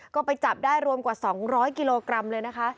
ก็ไปจับได้รวมกว่า๒๐๐กิโลกรัมเลยนะคะ